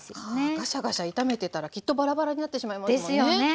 ガシャガシャ炒めてたらきっとバラバラになってしまいますもんね。ですよね。